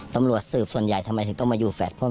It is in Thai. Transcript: ตำรวจสืบส่วนใหญ่ทำไมถึงต้องมาอยู่แฝดพ่อม